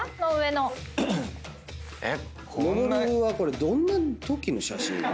のぼるはこれどんなときの写真なん？